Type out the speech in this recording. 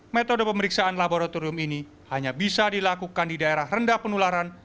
metode pemeriksaan laboratorium ini hanya bisa dilakukan di daerah rendah penularan